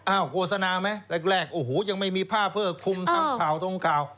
อ้าวโฆษณาไหมแรกโอ้โหยังไม่มีภาพเพื่อคุมทางเผาตรงกล่าว